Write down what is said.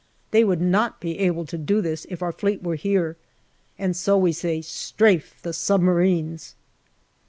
They would not be able to do this if our Fleet were here, and so we say " Strafe the submarines